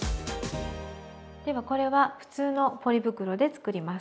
ではこれは普通のポリ袋で作ります。